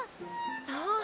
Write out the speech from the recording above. そう。